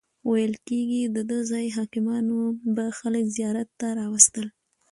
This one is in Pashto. ویل کیږي دده ځایي حاکمانو به خلک زیارت ته راوستل.